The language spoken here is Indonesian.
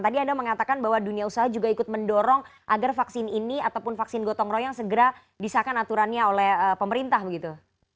tadi anda mengatakan bahwa dunia usaha juga ikut mendorong agar vaksin ini ataupun vaksin gotong royong segera disahkan aturannya oleh pemerintah begitu